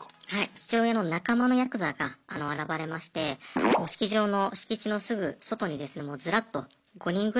父親の仲間のヤクザが現れまして式場の敷地のすぐ外にですねもうズラッと５人ぐらいですね